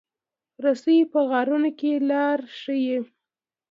رسۍ په غارونو کې لار ښيي.